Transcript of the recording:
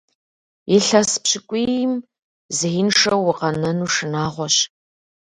Илъэс пщыкӀуийм зеиншэу укъэнэну шынагъуэщ.